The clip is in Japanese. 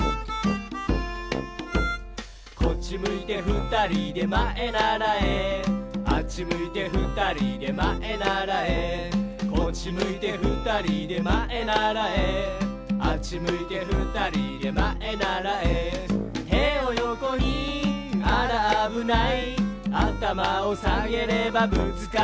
「こっちむいてふたりでまえならえ」「あっちむいてふたりでまえならえ」「こっちむいてふたりでまえならえ」「あっちむいてふたりでまえならえ」「てをよこにあらあぶない」「あたまをさげればぶつかりません」